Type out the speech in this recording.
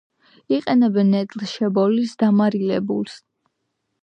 იყენებენ ნედლს, შებოლილს, დამარილებულს.